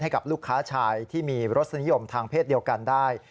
ให้กับลูกค้าชายที่มีรสนิยมทางเพศเดียวกันได้